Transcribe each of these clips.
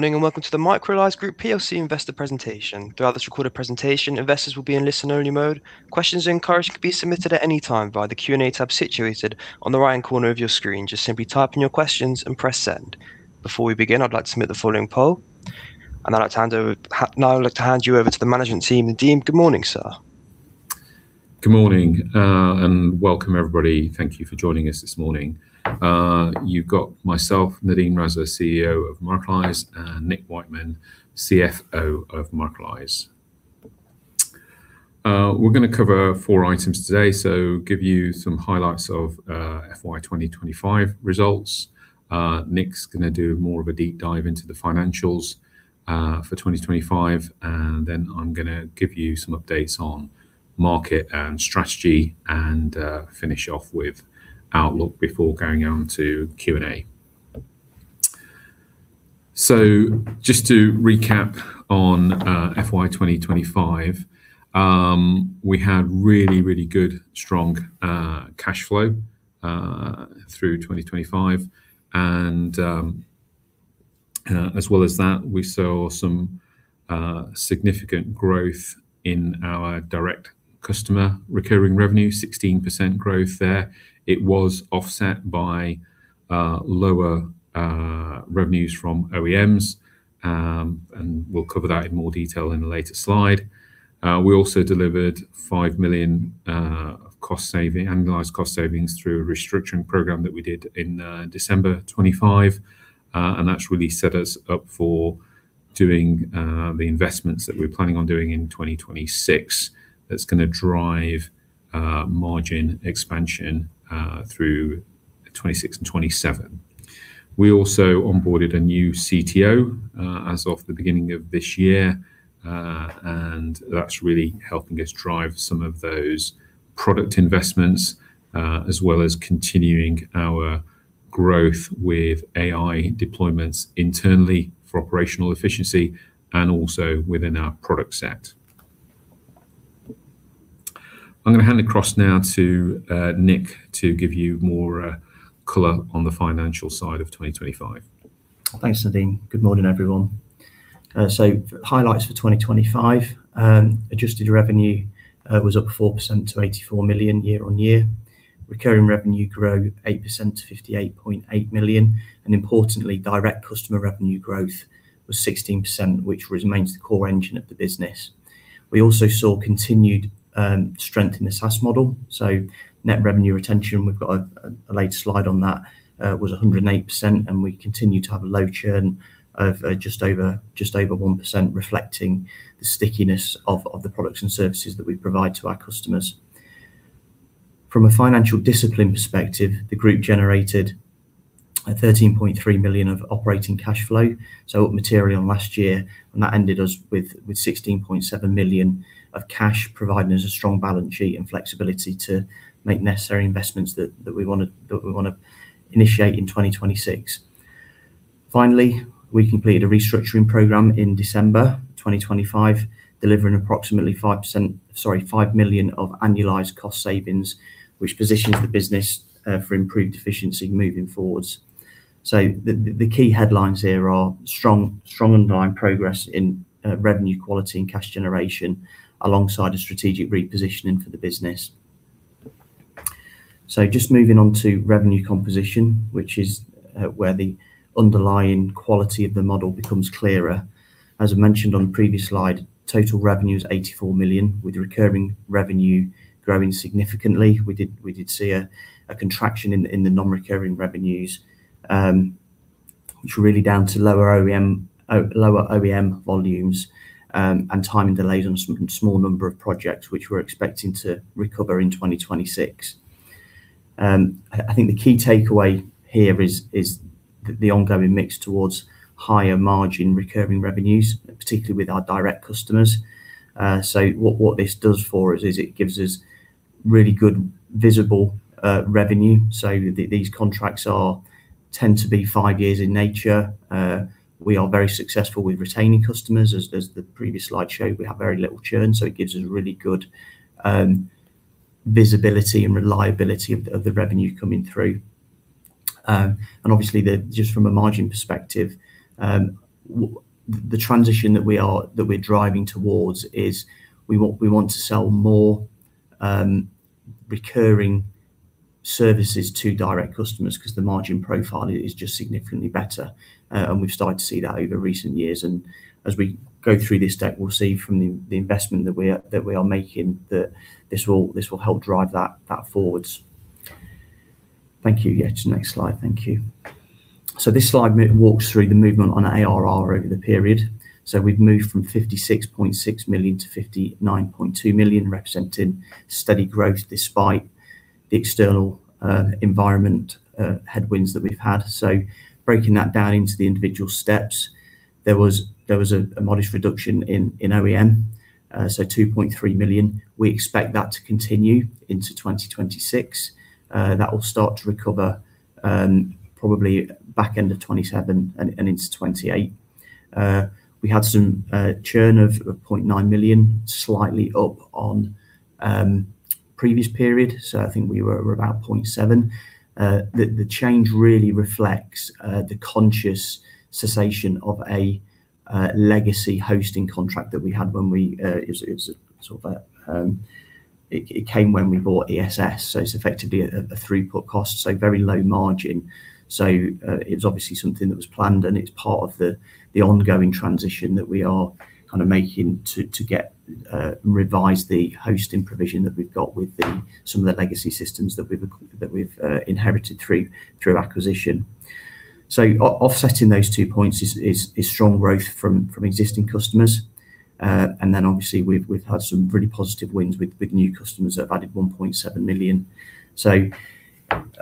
Good morning, and welcome to the Microlise Group PLC investor presentation. Throughout this recorded presentation, investors will be in listen-only mode. Questions are encouraged and can be submitted at any time via the Q&A tab situated on the right-hand corner of your screen. Just simply type in your questions and press Send. Before we begin, I'd like to submit the following poll, and now I'd like to hand you over to the management team. Nadeem, good morning, sir. Good morning, and welcome everybody. Thank you for joining us this morning. You've got myself, Nadeem Raza, CEO of Microlise, and Nick Wightman, CFO of Microlise. We're gonna cover four items today, so give you some highlights of FY 2025 results. Nick's gonna do more of a deep dive into the financials for 2025, and then I'm gonna give you some updates on market and strategy and finish off with outlook before going on to Q&A. Just to recap on FY 2025, we had really, really good, strong cashflow through 2025, and as well as that, we saw some significant growth in our direct customer recurring revenue, 16% growth there. It was offset by lower revenues from OEMs, and we'll cover that in more detail in a later slide. We also delivered 5 million of annualized cost savings through a restructuring program that we did in December 2025, and that's really set us up for doing the investments that we're planning on doing in 2026. That's gonna drive margin expansion through 2026 and 2027. We also onboarded a new CTO as of the beginning of this year, and that's really helping us drive some of those product investments, as well as continuing our growth with AI deployments internally for operational efficiency and also within our product set. I'm gonna hand across now to Nick to give you more color on the financial side of 2025. Thanks, Nadeem. Good morning, everyone. So, highlights for 2025. Adjusted revenue was up 4% to 84 million year-on-year. Recurring revenue grew 8% to 58.8 million. Importantly, direct customer revenue growth was 16%, which remains the core engine of the business. We also saw continued strength in the SaaS model. Net revenue retention, we've got a later slide on that, was 108%, and we continue to have a low churn of just over 1%, reflecting the stickiness of the products and services that we provide to our customers. From a financial discipline perspective, the group generated 13.3 million of operating cash flow, so up materially last year, and that ended us with 16.7 million of cash, providing us a strong balance sheet and flexibility to make necessary investments that we wanna initiate in 2026. Finally, we completed a restructuring program in December 2025, delivering approximately 5 million of annualized cost savings, which positions the business for improved efficiency moving forward. The key headlines here are strong underlying progress in revenue quality and cash generation, alongside a strategic repositioning for the business. Just moving on to revenue composition, which is where the underlying quality of the model becomes clearer. As I mentioned on the previous slide, total revenue is 84 million, with recurring revenue growing significantly. We did see a contraction in the non-recurring revenues, which were really down to lower OEM volumes and timing delays on small number of projects which we're expecting to recover in 2026. I think the key takeaway here is the ongoing mix towards higher margin recurring revenues, particularly with our direct customers. What this does for us is it gives us really good visible revenue. These contracts tend to be five years in nature. We are very successful with retaining customers. As the previous slide showed, we have very little churn, so it gives us really good visibility and reliability of the revenue coming through. Obviously, just from a margin perspective, the transition that we're driving towards is we want to sell more recurring services to direct customers because the margin profile is just significantly better. We've started to see that over recent years. As we go through this deck, we'll see from the investment that we are making that this will help drive that forward. Thank you. Yeah, to the next slide. Thank you. This slide walks through the movement on ARR over the period. We've moved from 56.6 million to 59.2 million, representing steady growth despite the external environment headwinds that we've had. Breaking that down into the individual steps, there was a modest reduction in OEM, so 2.3 million. We expect that to continue into 2026. That will start to recover, probably back end of 2027 and into 2028. We had some churn of 0.9 million, slightly up on previous period, so I think we were about 0.7 million. The change really reflects the conscious cessation of a legacy hosting contract that we had when we, it was sort of a, it came when we bought ESS, so it's effectively a throughput cost, so very low margin. It's obviously something that was planned, and it's part of the ongoing transition that we are kind of making to get revise the hosting provision that we've got with some of the legacy systems that we've inherited through acquisition. Offsetting those two points is strong growth from existing customers. Obviously, we've had some really positive wins with new customers that added 1.7 million.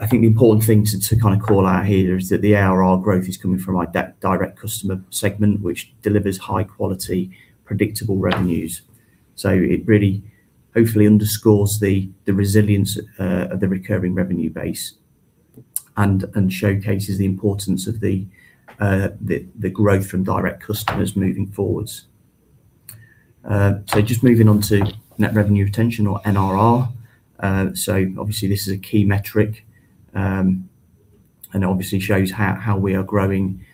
I think the important thing to kind of call out here is that the ARR growth is coming from our direct customer segment, which delivers high quality, predictable revenues. It really hopefully underscores the resilience of the recurring revenue base and showcases the importance of the growth from direct customers moving forwards. Just moving on to net revenue retention or NRR. Obviously, this is a key metric and obviously shows how we are growing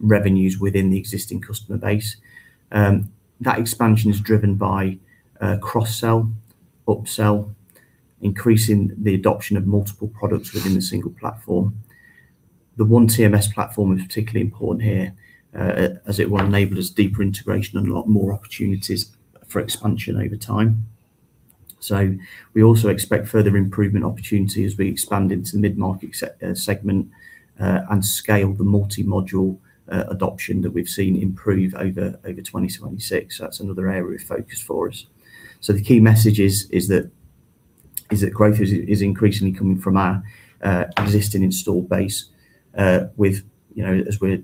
revenues within the existing customer base. That expansion is driven by cross-sell, up-sell, increasing the adoption of multiple products within a single platform. The one TMS platform is particularly important here, as it will enable us deeper integration and a lot more opportunities for expansion over time. We also expect further improvement opportunity as we expand into the mid-market segment and scale the multi-module adoption that we've seen improve over 2026. That's another area of focus for us. The key message is that growth is increasingly coming from our existing installed base, with, you know, as we're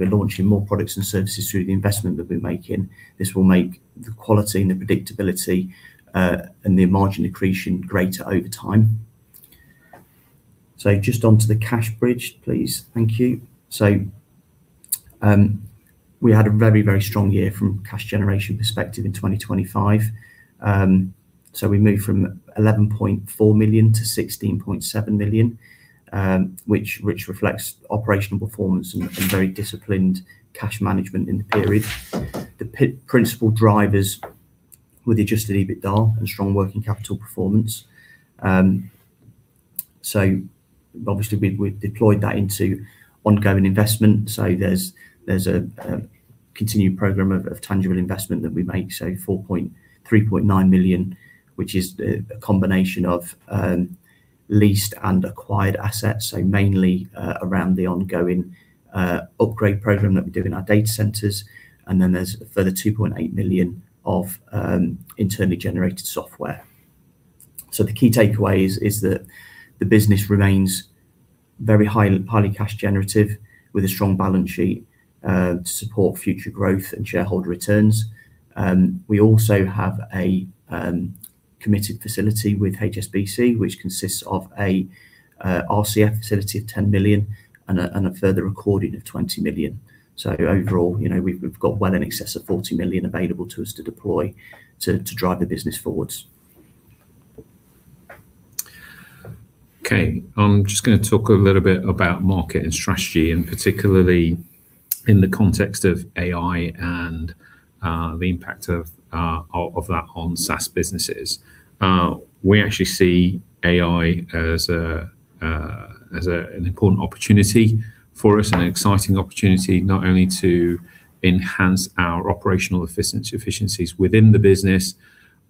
launching more products and services through the investment that we're making, this will make the quality and the predictability and the margin accretion greater over time. Just onto the cash bridge, please. Thank you. We had a very, very strong year from cash generation perspective in 2025. We moved from 11.4 million to 16.7 million, which reflects operational performance and very disciplined cash management in the period. The principal drivers were the adjusted EBITDA and strong working capital performance. Obviously, we deployed that into ongoing investment. There's a continuing program of tangible investment that we make, so, 3.9 million, which is a combination of leased and acquired assets, so mainly around the ongoing upgrade program that we do in our data centers. There's a further 2.8 million of internally generated software. The key takeaway is that the business remains very highly cash generative with a strong balance sheet to support future growth and shareholder returns. We also have a committed facility with HSBC, which consists of a RCF facility of 10 million and a further accordion of 20 million. Overall, you know, we've got well in excess of 40 million available to us to deploy to drive the business forwards. Okay. I'm just going to talk a little bit about market and strategy, particularly in the context of AI and the impact of that on SaaS businesses. We actually see AI as an important opportunity for us, an exciting opportunity not only to enhance our operational efficiencies within the business,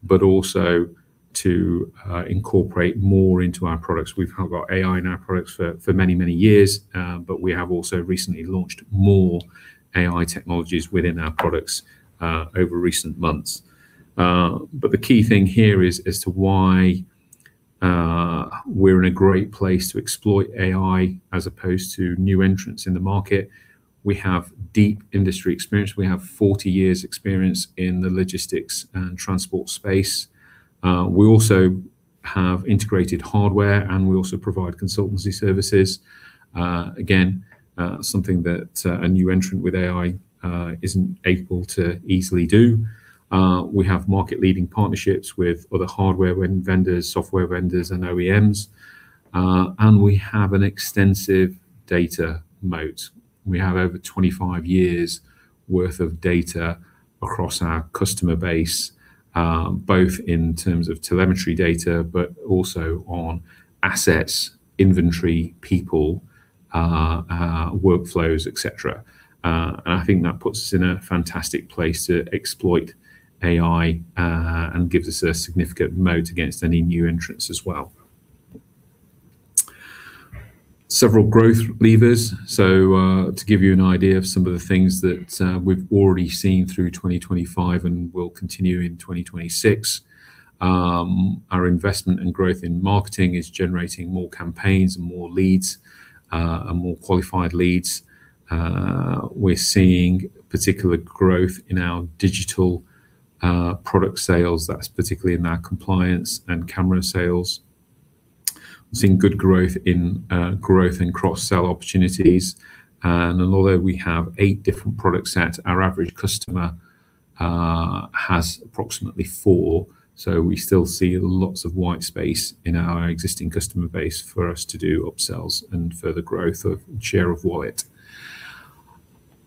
but also to incorporate more into our products. We've had our AI in our products for many, many years, but we have also recently launched more AI technologies within our products over recent months. The key thing here is as to why we're in a great place to exploit AI as opposed to new entrants in the market. We have deep industry experience. We have 40 years' experience in the logistics and transport space. We also have integrated hardware, and we also provide consultancy services. Again, something that a new entrant with AI isn't able to easily do. We have market-leading partnerships with other hardware vendors, software vendors, and OEMs. And we have an extensive data moat. We have over 25 years' worth of data across our customer base, both in terms of telemetry data but also on assets, inventory, people, workflows, et cetera. I think that puts us in a fantastic place to exploit AI and gives us a significant moat against any new entrants as well. Several growth levers. To give you an idea of some of the things that we've already seen through 2025 and will continue in 2026, our investment and growth in marketing is generating more campaigns and more leads, and more qualified leads. We're seeing particular growth in our digital product sales. That's particularly in our compliance and camera sales. Seeing good growth in cross-sell opportunities. Although we have eight different product sets, our average customer has approximately four. We still see lots of white space in our existing customer base for us to do upsells and further growth of share of wallet.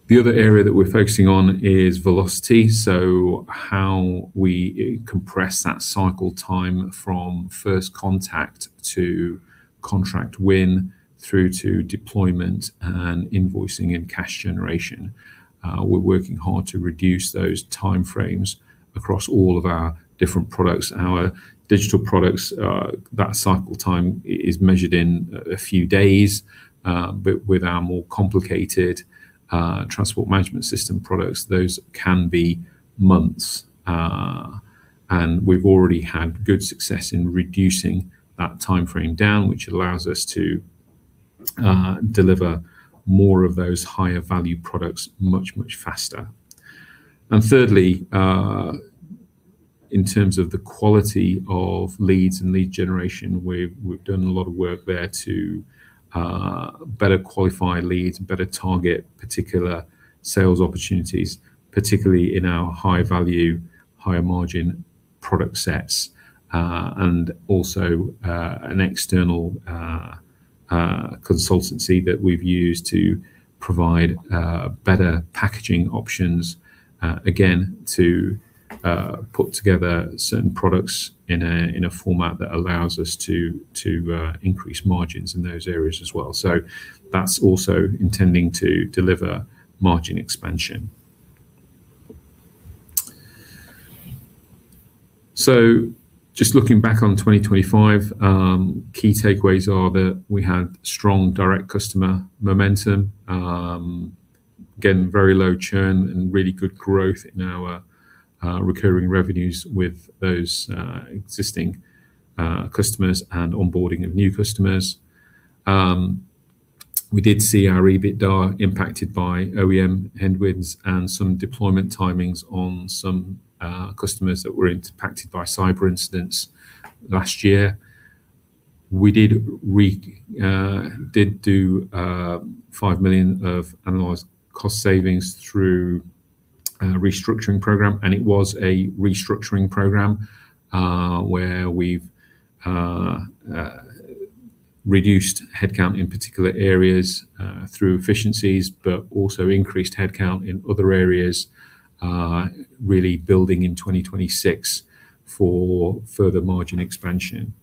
The other area that we're focusing on is velocity, so how we compress that cycle time from first contact to contract win through to deployment and invoicing and cash generation. We're working hard to reduce those time frames across all of our different products. Our digital products, that cycle time is measured in a few days, but with our more complicated, Transport Management System products, those can be months. And we've already had good success in reducing that time frame down, which allows us to deliver more of those higher value products much, much faster. Thirdly, in terms of the quality of leads and lead generation, we've done a lot of work there to better qualify leads, better target particular sales opportunities, particularly in our high value, higher margin product sets. Also, an external consultancy that we've used to provide better packaging options, again, to put together certain products in a format that allows us to increase margins in those areas as well. That's also intending to deliver margin expansion. Just looking back on 2025, key takeaways are that we had strong direct customer momentum. Again, very low churn and really good growth in our recurring revenues with those existing customers and onboarding of new customers. We did see our EBITDA impacted by OEM headwinds and some deployment timings on some customers that were impacted by cyber incidents last year. We did 5 million of annualized cost savings through a restructuring program. It was a restructuring program where we've reduced headcount in particular areas through efficiencies, but also increased headcount in other areas, really building in 2026 for further margin expansion.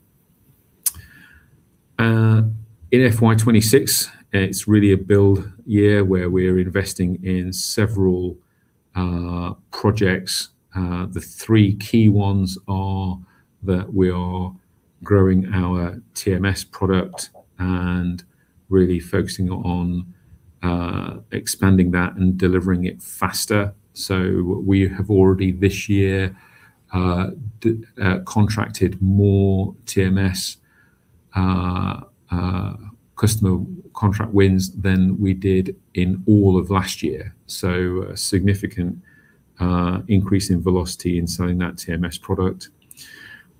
In FY 2026, it's really a build year where we're investing in several projects. The three key ones are that we are growing our TMS product and really focusing on expanding that and delivering it faster. We have already this year contracted more TMS customer contract wins than we did in all of last year, so a significant increase in velocity in selling that TMS product.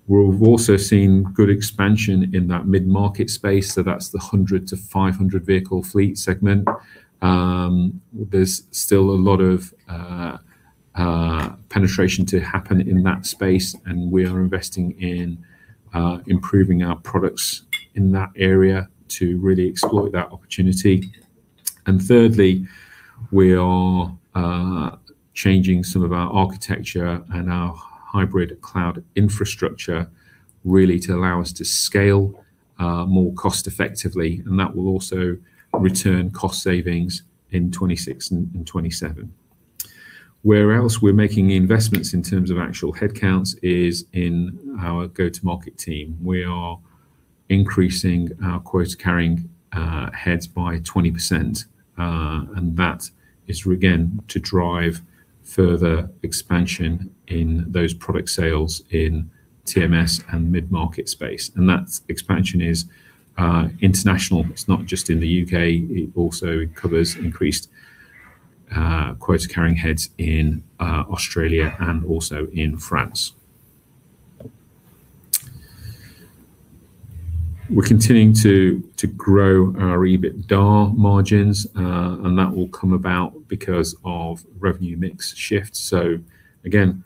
We've also seen good expansion in that mid-market space, so that's the 100-500 vehicle fleet segment. There's still a lot of penetration to happen in that space, and we are investing in improving our products in that area to really exploit that opportunity. Thirdly, we are changing some of our architecture and our hybrid cloud infrastructure really to allow us to scale more cost effectively, and that will also return cost savings in 2026 and 2027. Where else we're making investments in terms of actual headcounts is in our go-to-market team. We are increasing our quota-carrying heads by 20%, and that is again to drive further expansion in those product sales in TMS and mid-market space. That expansion is international. It's not just in the U.K., it also covers increased quota-carrying heads in Australia and also in France. We're continuing to grow our EBITDA margins, and that will come about because of revenue mix shift. Again,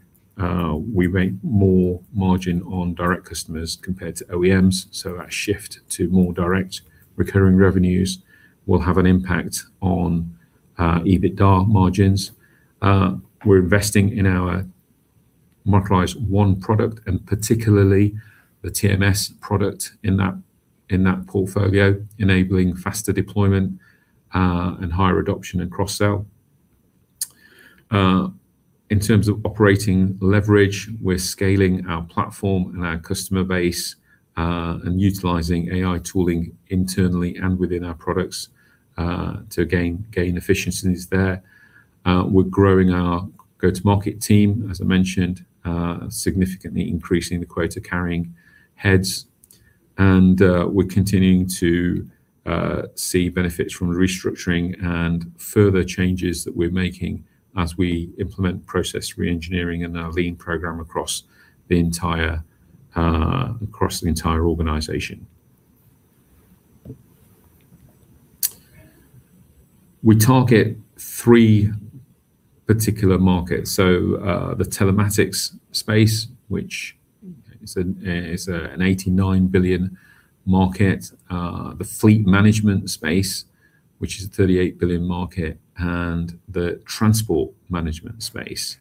we make more margin on direct customers compared to OEMs, so that shift to more direct recurring revenues will have an impact on EBITDA margins. We're investing in our Microlise One product, and particularly the TMS product in that portfolio, enabling faster deployment and higher adoption and cross-sell. In terms of operating leverage, we're scaling our platform and our customer base, and utilizing AI tooling internally and within our products to gain efficiencies there. We're growing our go-to-market team, as I mentioned, significantly increasing the quota-carrying heads. We're continuing to see benefits from restructuring and further changes that we're making. As we implement process re-engineering and our lean program across the entire, across the entire organization. We target three particular markets, so the telematics space, which is a 89 billion market; the fleet management space, which is a 38 billion market; and the transport management space,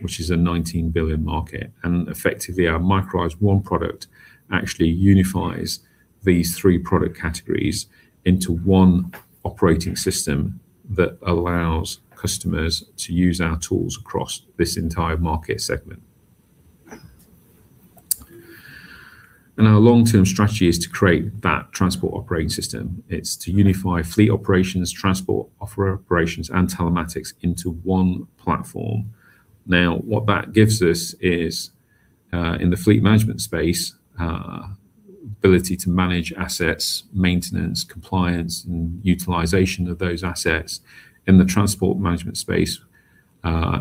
which is a 19 billion market. Effectively, our Microlise One product actually unifies these three product categories into one operating system that allows customers to use our tools across this entire market segment. Our long-term strategy is to create that transport operating system. It's to unify fleet operations, transport operations, and telematics into one platform. What that gives us is, in the fleet management space, ability to manage assets, maintenance, compliance, and utilization of those assets. In the transport management space,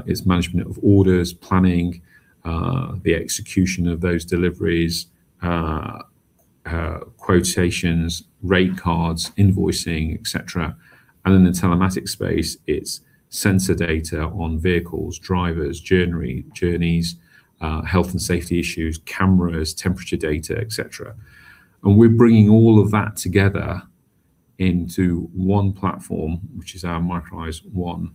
is management of orders, planning, the execution of those deliveries, quotations, rate cards, invoicing, et cetera. In the telematics space, it's sensor data on vehicles, drivers, journeys, health and safety issues, cameras, temperature data, et cetera. We're bringing all of that together into one platform, which is our Microlise One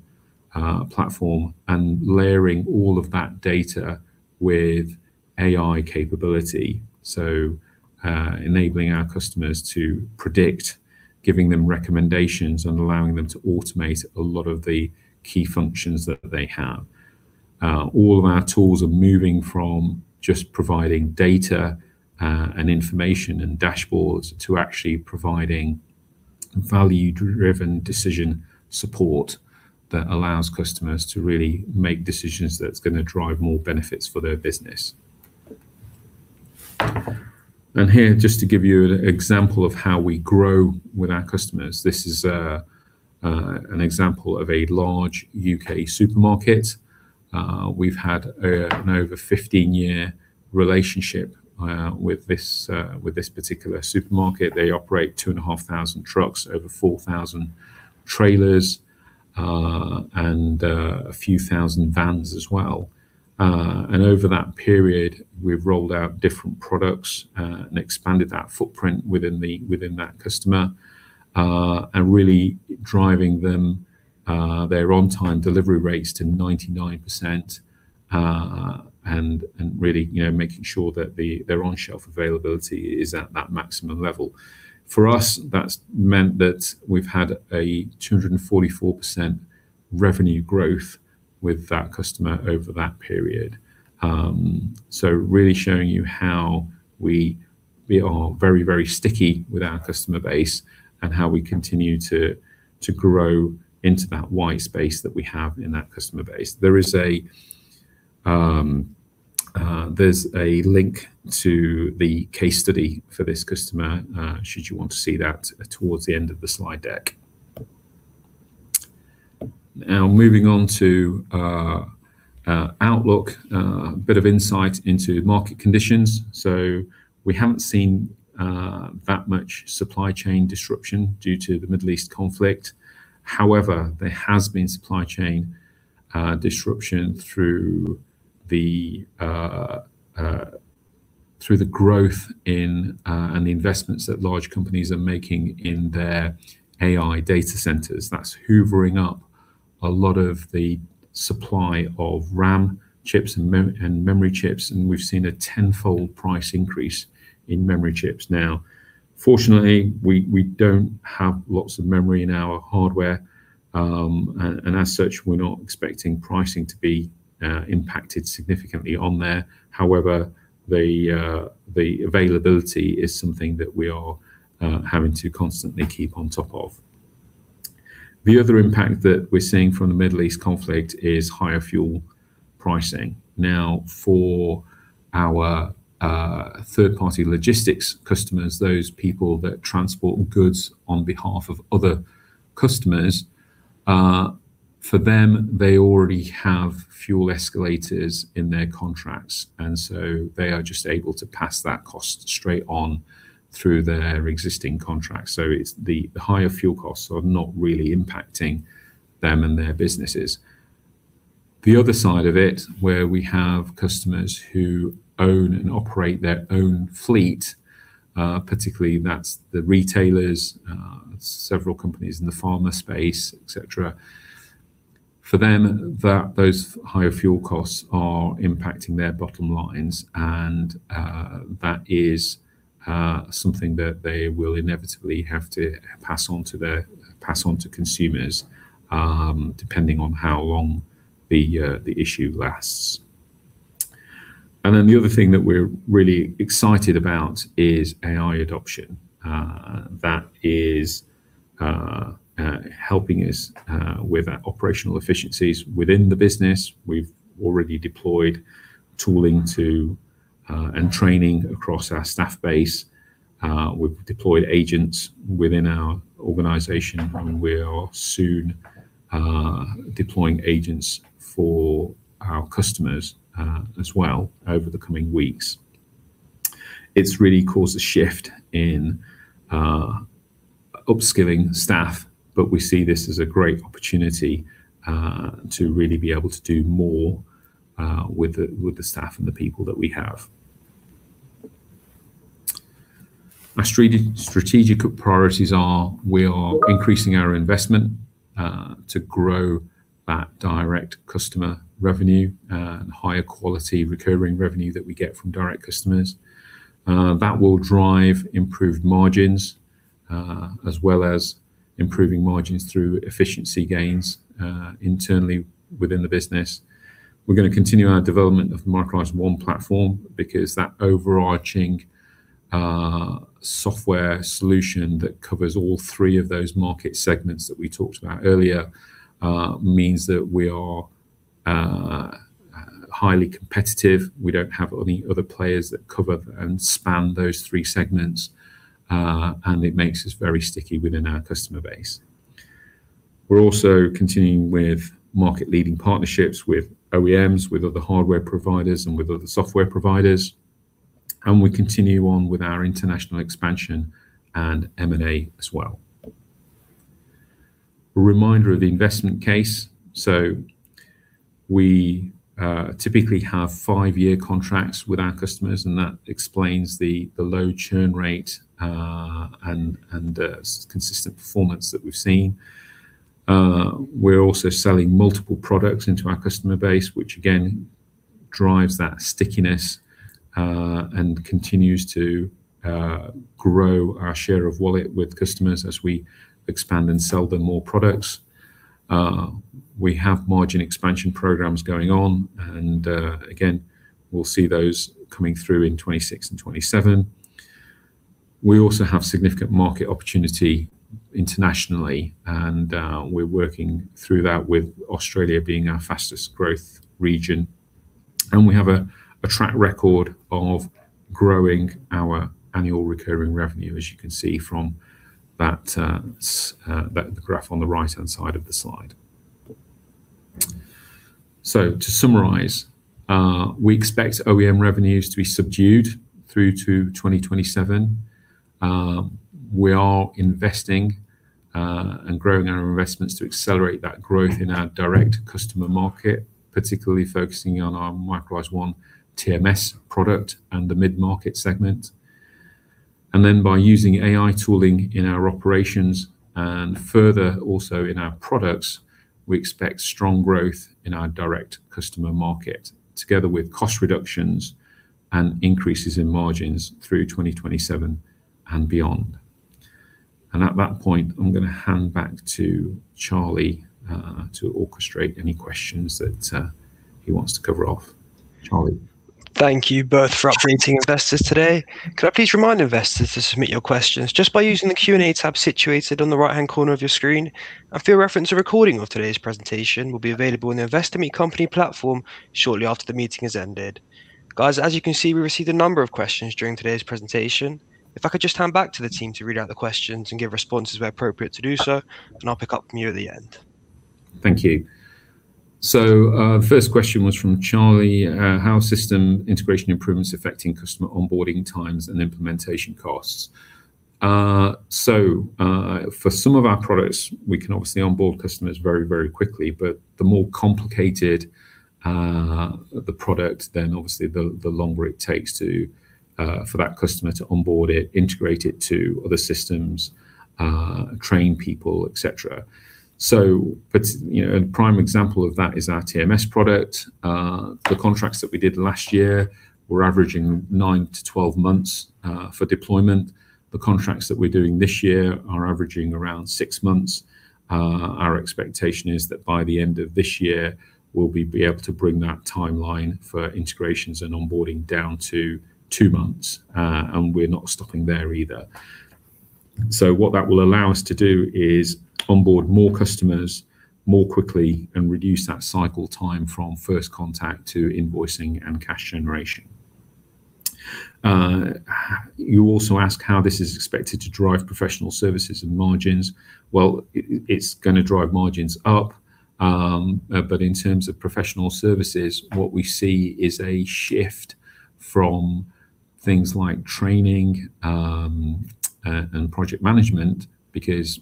platform, and layering all of that data with AI capability, so enabling our customers to predict, giving them recommendations, and allowing them to automate a lot of the key functions that they have. All of our tools are moving from just providing data, and information and dashboards to actually providing value-driven decision support that allows customers to really make decisions that's gonna drive more benefits for their business. Here, just to give you an example of how we grow with our customers, this is an example of a large U.K. supermarket. We've had an over 15-year relationship with this particular supermarket. They operate 2,500 trucks, over 4,000 trailers, and a few thousand vans as well. Over that period, we've rolled out different products and expanded that footprint within the, within that customer, and really driving them their on-time delivery rates to 99%, and really, you know, making sure that the, their on-shelf availability is at that maximum level. For us, that's meant that we've had a 244% revenue growth with that customer over that period. Really showing you how we are very, very sticky with our customer base and how we continue to grow into that white space that we have in that customer base. There is a link to the case study for this customer, should you want to see that towards the end of the slide deck. Moving on to outlook, a bit of insight into market conditions. We haven't seen that much supply chain disruption due to the Middle East conflict. However, there has been supply chain disruption through the growth in and the investments that large companies are making in their AI data centers. That's hoovering up a lot of the supply of RAM chips and memory chips, and we've seen a tenfold price increase in memory chips. Now, fortunately, we don't have lots of memory in our hardware, and as such, we're not expecting pricing to be impacted significantly on there. However, the availability is something that we are having to constantly keep on top of. The other impact that we're seeing from the Middle East conflict is higher fuel pricing. Now, for our third-party logistics customers, those people that transport goods on behalf of other customers, for them, they already have fuel escalators in their contracts, and so they are just able to pass that cost straight on through their existing contracts. It's the higher fuel costs are not really impacting them and their businesses. The other side of it, where we have customers who own and operate their own fleet, particularly that's the retailers, several companies in the pharma space, et cetera, for them, those higher fuel costs are impacting their bottom lines, and that is something that they will inevitably have to pass on to consumers, depending on how long the issue lasts. The other thing that we're really excited about is AI adoption. That is helping us with our operational efficiencies within the business. We've already deployed tooling to and training across our staff base. We've deployed agents within our organization, and we are soon deploying agents for our customers as well over the coming weeks. It's really caused a shift in upskilling staff, but we see this as a great opportunity to really be able to do more with the, with the staff and the people that we have. Our strategic priorities are we are increasing our investment to grow that direct customer revenue and higher quality recurring revenue that we get from direct customers. That will drive improved margins as well as improving margins through efficiency gains internally within the business. We're gonna continue our development of Microlise One platform because that overarching software solution that covers all three of those market segments that we talked about earlier means that we are highly competitive. We don't have any other players that cover and span those three segments, and it makes us very sticky within our customer base. We're also continuing with market-leading partnerships with OEMs, with other hardware providers, and with other software providers. We continue on with our international expansion and M&A as well. A reminder of the investment case. We typically have five-year contracts with our customers, and that explains the low churn rate and the consistent performance that we've seen. We're also selling multiple products into our customer base, which again drives that stickiness and continues to grow our share of wallet with customers as we expand and sell them more products. We have margin expansion programs going on, and again, we'll see those coming through in 2026 and 2027. We also have significant market opportunity internationally, and we're working through that with Australia being our fastest growth region. We have a track record of growing our annual recurring revenue, as you can see from that graph on the right-hand side of the slide. To summarize, we expect OEM revenues to be subdued through to 2027. We are investing and growing our investments to accelerate that growth in our direct customer market, particularly focusing on our Microlise One TMS product and the mid-market segment. Then, by using AI tooling in our operations and further also in our products, we expect strong growth in our direct customer market together with cost reductions and increases in margins through 2027 and beyond. At that point, I'm going to hand back to Charlie to orchestrate any questions that he wants to cover off. Charlie? Thank you both for updating investors today. Could I please remind investors to submit your questions just by using the Q&A tab situated on the right-hand corner of your screen? For your reference, a recording of today's presentation will be available in the Investor Meet Company platform shortly after the meeting has ended. Guys, as you can see, we received a number of questions during today's presentation. If I could just hand back to the team to read out the questions and give responses where appropriate to do so, then I'll pick up from you at the end. Thank you. First question was from Charlie. "How are system integration improvements affecting customer onboarding times and implementation costs?" For some of our products, we can obviously onboard customers very, very quickly, but the more complicated the product, then obviously the longer it takes to for that customer to onboard it, integrate it to other systems, train people, et cetera. You know, prime example of that is our TMS product. The contracts that we did last year were averaging 9-12 months for deployment. The contracts that we're doing this year are averaging around six months. Our expectation is that by the end of this year, we'll be able to bring that timeline for integrations and onboarding down to two months, and we're not stopping there either. What that will allow us to do is onboard more customers more quickly and reduce that cycle time from first contact to invoicing and cash generation. You also ask how this is expected to drive professional services and margins. Well, it's gonna drive margins up. But in terms of professional services, what we see is a shift from things like training and project management because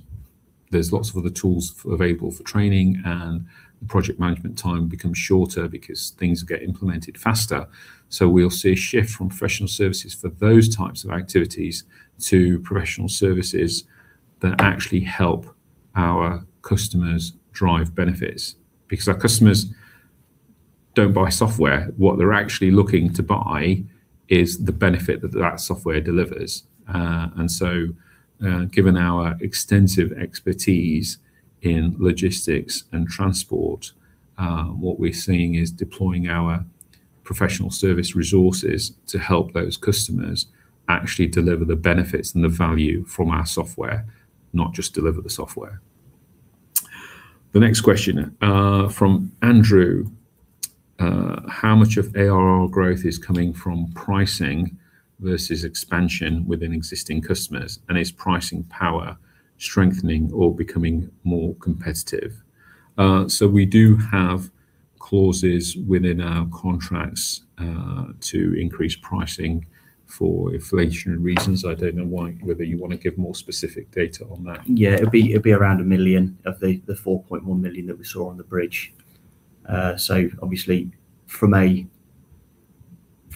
there's lots of other tools available for training, and the project management time becomes shorter because things get implemented faster. We'll see a shift from professional services for those types of activities to professional services that actually help our customers drive benefits because our customers don't buy software. What they're actually looking to buy is the benefit that that software delivers. Given our extensive expertise in logistics and transport, what we're seeing is deploying our professional service resources to help those customers actually deliver the benefits and the value from our software, not just deliver the software. The next question from Andrew. "How much of ARR growth is coming from pricing versus expansion within existing customers? Is pricing power strengthening or becoming more competitive?" We do have clauses within our contracts to increase pricing for inflationary reasons. I don't know Nick whether you wanna give more specific data on that? Yeah. It'd be around 1 million of the 4.1 million that we saw on the bridge. Obviously,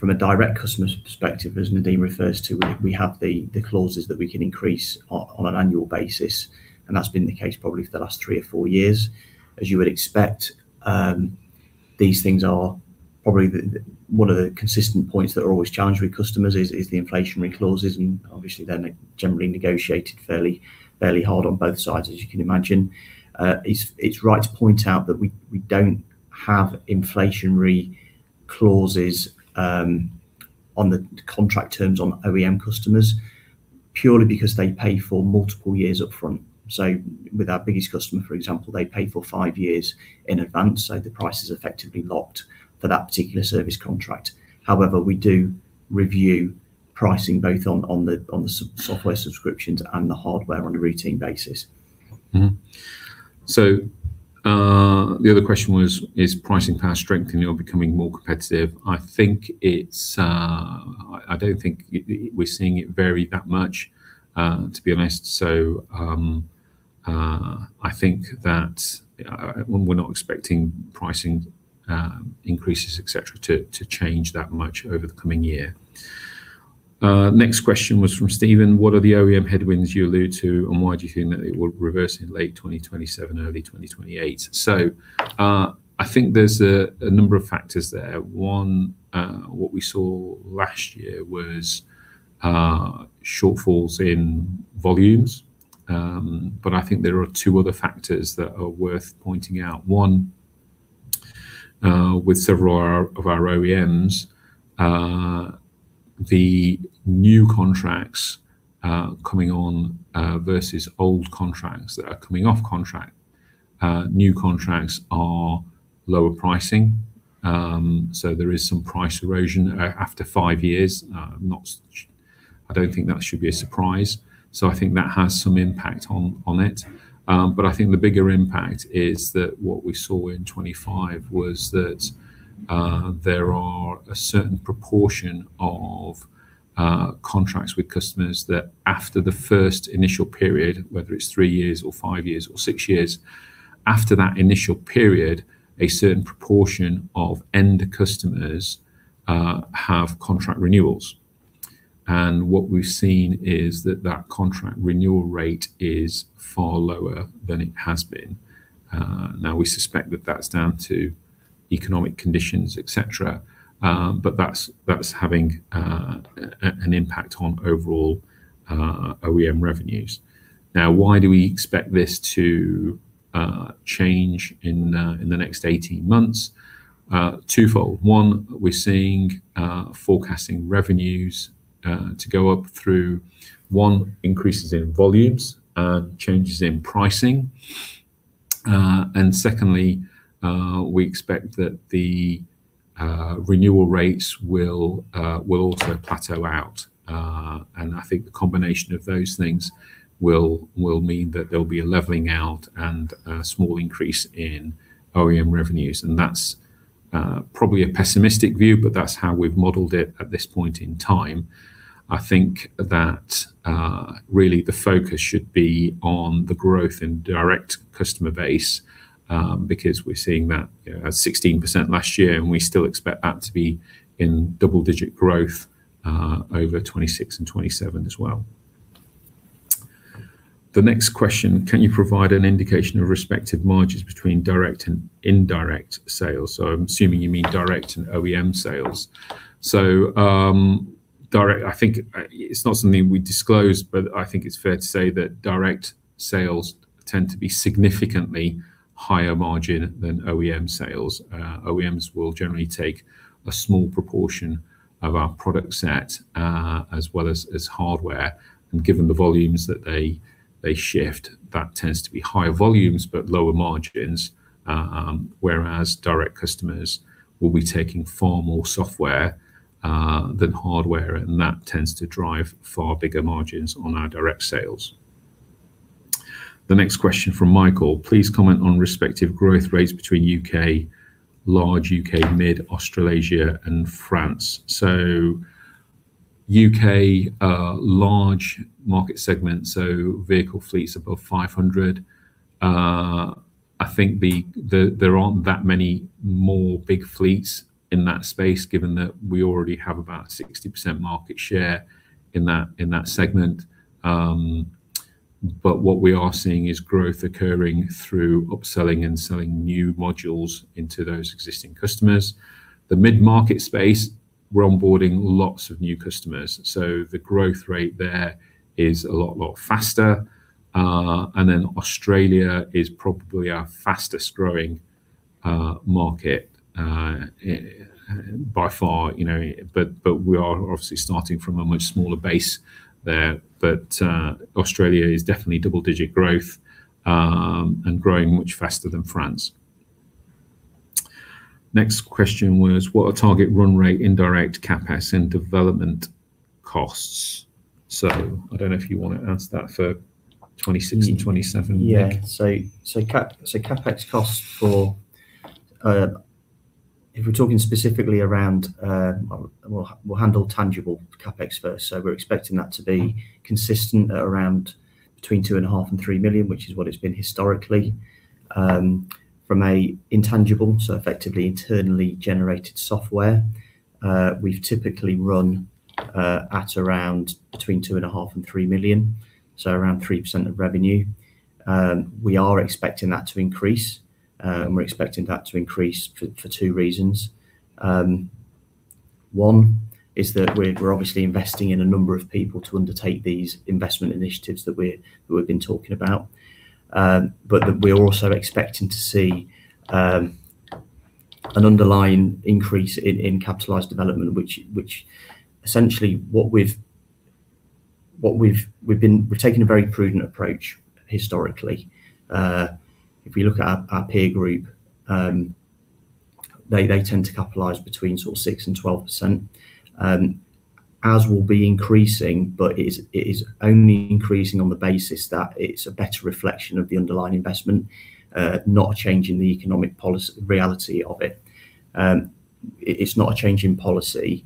from a direct customer perspective, as Nadeem refers to, we have the clauses that we can increase on an annual basis, and that's been the case probably for the last three or four years. As you would expect, these things are probably one of the consistent points that are always challenged with customers is the inflationary clauses. Obviously then, they're generally negotiated fairly hard on both sides, as you can imagine. It's right to point out that we don't have inflationary clauses on the contract terms on OEM customers purely because they pay for multiple years up front. With our biggest customer, for example, they pay for five years in advance, so the price is effectively locked for that particular service contract. However, we do review pricing both on the software subscriptions and the hardware on a routine basis. The other question was, is pricing power strengthening or becoming more competitive? I don't think we're seeing it vary that much, to be honest. I think that we're not expecting pricing increases, et cetera, to change that much over the coming year. Next question was from Steven. "What are the OEM headwinds you allude to, and why do you think that it will reverse in late 2027, early 2028?" I think there's a number of factors there. One, what we saw last year was shortfalls in volumes, but I think there are two other factors that are worth pointing out. One, with several of our OEMs, the new contracts coming on versus old contracts that are coming off contract, new contracts are lower pricing, so there is some price erosion after five years. I don't think that should be a surprise, so I think that has some impact on it. I think the bigger impact is that what we saw in 2025 was that there are a certain proportion of contracts with customers that after the first initial period, whether it's three years or five years or six years, after that initial period, a certain proportion of end customers have contract renewals. What we've seen is that that contract renewal rate is far lower than it has been. We suspect that that's down to economic conditions, et cetera. But that's, that's having an impact on overall OEM revenues. Now, why do we expect this to change in the next 18 months? Twofold. One, we're seeing forecasting revenues to go up through, one, increases in volumes, changes in pricing. Secondly, we expect that the renewal rates will also plateau out. I think the combination of those things will mean that there'll be a leveling out and a small increase in OEM revenues, and that's probably a pessimistic view, but that's how we've modeled it at this point in time. I think that, really, the focus should be on the growth in direct customer base, because we're seeing that, 16% last year, and we still expect that to be in double-digit growth over 2026 and 2027 as well. The next question. Can you provide an indication of respective margins between direct and indirect sales? I'm assuming you mean direct and OEM sales. Direct, I think, it's not something we disclose, but I think it's fair to say that direct sales tend to be significantly higher margin than OEM sales. OEMs will generally take a small proportion of our product set, as well as hardware. Given the volumes that they shift, that tends to be higher volumes but lower margins, whereas direct customers will be taking far more software than hardware, and that tends to drive far bigger margins on our direct sales. The next question from Michael. "Please comment on respective growth rates between U.K., large U.K., mid Australasia and France." So, U.K. large market segment, so vehicle fleets above 500. I think there aren't that many more big fleets in that space, given that we already have about 60% market share in that segment. But what we are seeing is growth occurring through upselling and selling new modules into those existing customers. The mid-market space, we're onboarding lots of new customers, so the growth rate there is a lot faster. Australia is probably our fastest growing market by far, you know. We are obviously starting from a much smaller base there, but Australia is definitely double-digit growth and growing much faster than France. Next question was, what are target run rate indirect CapEx and development costs? I don't know if you want to answer that for 2026 and 2027, Nick? Yeah. So, CapEx costs for, if we're talking specifically around, we'll handle tangible CapEx first, so we're expecting that to be consistent at around between 2.5 million and 3 million, which is what it's been historically. From an intangible, so effectively internally generated software, we've typically run at around between 2.5 million and 3 million, so around 3% of revenue. We are expecting that to increase, and we're expecting that to increase for two reasons. One is that we're obviously investing in a number of people to undertake these investment initiatives that we've been talking about. We're also expecting to see an underlying increase in capitalized development. Essentially, we're taking a very prudent approach historically. If you look at our peer group, they tend to capitalize between 6% and 12%. Ours will be increasing, but it is only increasing on the basis that it's a better reflection of the underlying investment, not a change in the economic reality of it. It's not a change in policy.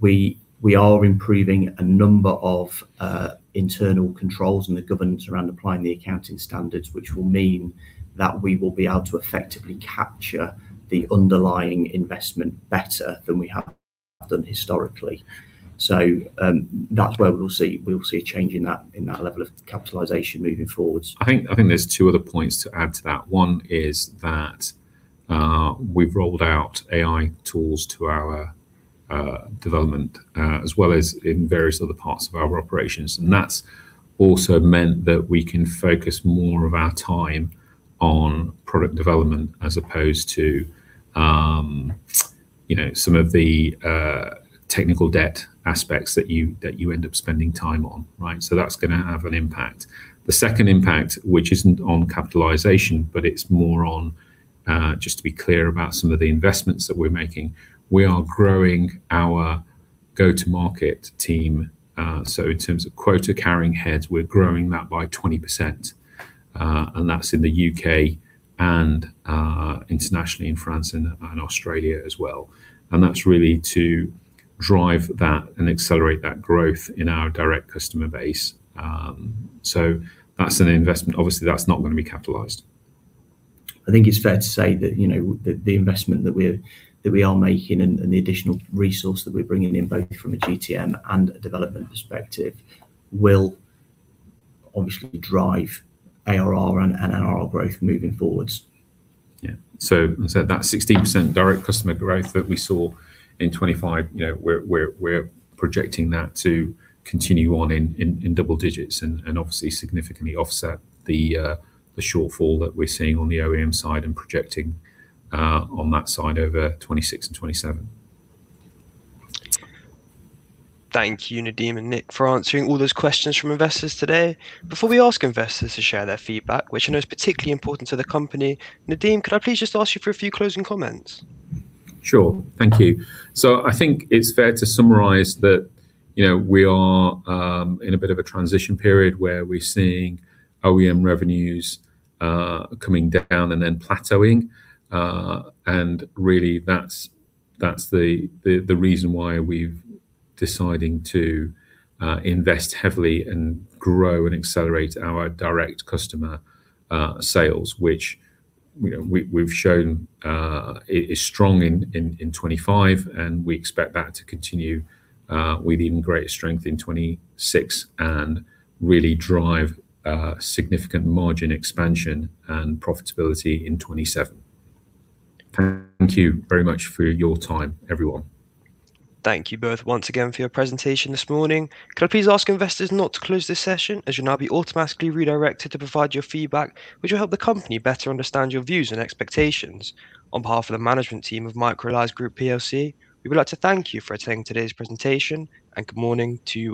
We are improving a number of internal controls and the governance around applying the accounting standards, which will mean that we will be able to effectively capture the underlying investment better than we have done historically. That's where we'll see a change in that level of capitalization moving forwards. I think there's two other points to add to that. One is that we've rolled out AI tools to our development, as well as in various other parts of our operations. That's also meant that we can focus more of our time on product development as opposed to, you know, some of the technical debt aspects that you end up spending time on. That's gonna have an impact. The second impact, which isn't on capitalization, but it's more on just to be clear about some of the investments that we're making. We are growing our go-to-market team. In terms of quota-carrying heads, we're growing that by 20%. That's in the U.K. and internationally in France and Australia as well. That's really to drive that and accelerate that growth in our direct customer base. That's an investment, so obviously, that's not gonna be capitalized. I think it's fair to say that, you know, the investment that we are making and the additional resource that we're bringing in both from a GTM and a development perspective will obviously drive ARR and NRR growth moving forwards. Yeah. As I said that 16% direct customer growth that we saw in 2025, you know, we're projecting that to continue on in double digits and obviously significantly offset the shortfall that we're seeing on the OEM side and projecting on that side over 2026 and 2027. Thank you, Nadeem and Nick, for answering all those questions from investors today. Before we ask investors to share their feedback, which I know is particularly important to the company, Nadeem, could I please just ask you for a few closing comments? Sure. Thank you. I think it's fair to summarize that, you know, we are in a bit of a transition period where we're seeing OEM revenues coming down and then plateauing. Really, that's the reason why we're deciding to invest heavily and grow and accelerate our direct customer sales, which, you know, we've shown is strong in 2025, and we expect that to continue with even greater strength in 2026 and really drive significant margin expansion and profitability in 2027. Thank you very much for your time, everyone. Thank you both once again for your presentation this morning. Could I please ask investors not to close this session, as you'll now be automatically redirected to provide your feedback, which will help the company better understand your views and expectations. On behalf of the management team of Microlise Group PLC, we would like to thank you for attending today's presentation, and good morning to you.